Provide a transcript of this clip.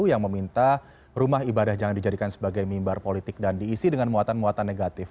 yang meminta rumah ibadah jangan dijadikan sebagai mimbar politik dan diisi dengan muatan muatan negatif